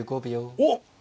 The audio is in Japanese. おっ！